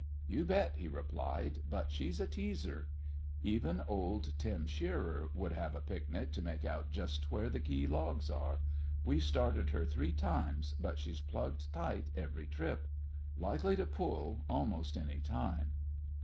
"You bet," he replied, "but she's a teaser. Even old Tim Shearer would have a picnic to make out just where the key logs are. We've started her three times, but she's plugged tight every trip. Likely to pull almost any time."